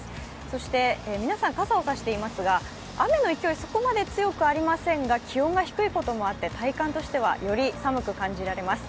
そして皆さん、傘を差していますが雨の勢い、そこまで強くありませんが気温が低いこともあって体感としてはより寒く感じます。